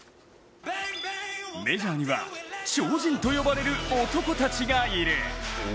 メジャーには、超人と呼ばれる男たちがいる。